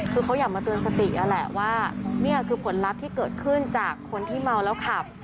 คือเขาอยากมาเตือนสตินั่นแหละว่านี่คือผลลัพธ์ที่เกิดขึ้นจากคนที่เมาแล้วขับ